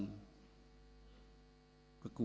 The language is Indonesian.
dan mampu menggalang